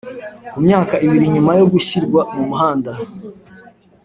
ku myaka ibiri nyuma yo gushyirwa mu muhanda.